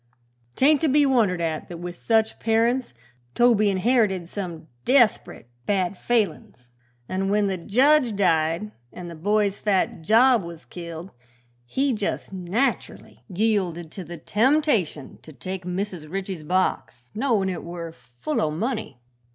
'Tain't to be wondered at that with such parents Toby inherited some desprit bad failin's, an' when the jedge died, an' the boy's fat job was killed, he jes' natcherly yielded to the temptation to take Mrs. Ritchie's box, knowin' it were full o' money.